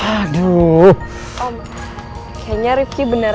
aku mau pergi ke rumah